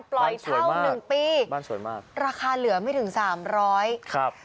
ปล่อยเท่า๑ปีบ้านสวยมากราคาเหลือไม่ถึง๓๐๐บาท